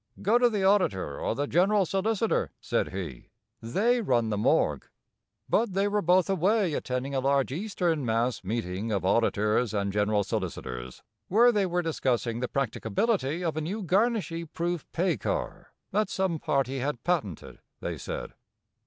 "Go to the auditor or the general solicitor," said he, "they run the morgue." But they were both away attending a large Eastern mass meeting of auditors and general solicitors, where they where discussing the practicability of a new garnishee proof pay car, that some party had patented, they said.